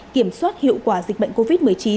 kiểm soát hiệu quả dịch bệnh covid một mươi chín